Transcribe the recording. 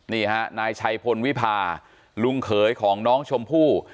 นี่ฮะนายชัยพลวิพาลุงเขยของน้องชมพู่